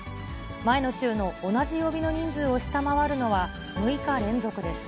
前の週の同じ曜日の人数を下回るのは６日連続です。